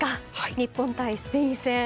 日本対スペイン戦。